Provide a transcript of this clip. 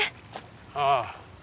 ああ。